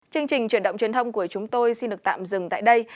chương trình truyền động truyền thông của chúng tôi xin được tạm dừng tại đây